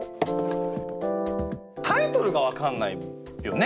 タイトルが分かんないよね？